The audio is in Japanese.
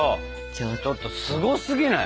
ちょっとすごすぎない？